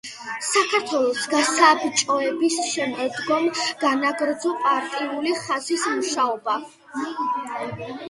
საქართველოს გასაბჭოების შემდგომ განაგრძო პარტიული ხაზით მუშაობა.